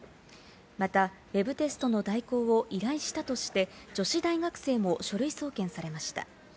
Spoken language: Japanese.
また、ウェブテストの代行を依頼したとして女子大学生も書類送検されました。